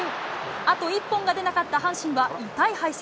あと一本が出なかった阪神は痛い敗戦。